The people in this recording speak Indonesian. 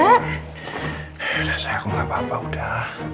ya udah sayang aku nggak apa apa udah